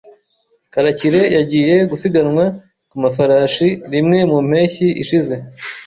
Karakire yagiye gusiganwa ku mafarashi rimwe mu mpeshyi ishize.